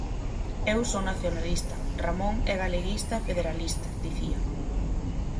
Eu son nacionalista, Ramón é galeguista e federalista, dicía.